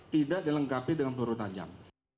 tidak dilengkapi dengan peluru tajam